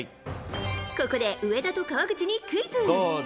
ここで上田と川口にクイズ。